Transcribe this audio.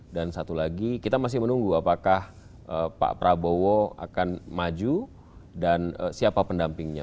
dan satu lagi kita masih menunggu apakah pak prabowo akan maju dan siapa pendampingnya